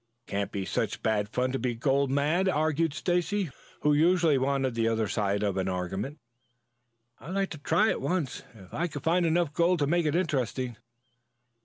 "It can't be such bad fun to be gold mad," argued Stacy, who usually wanted the other side of an argument. "I'd like to try it once, if I could find enough gold to make it interesting."